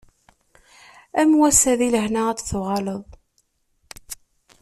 Am wass-a di lehna ad d-tuɣaleḍ.